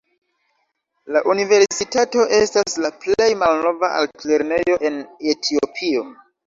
La universitato estas la plej malnova altlernejo en Etiopio.